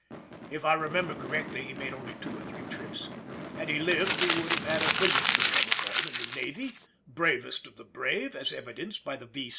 If I remember correctly he made only two or three trips. Had he lived he would have had a brilliant career before him in the navy; bravest of the brave, as is evidenced by the V.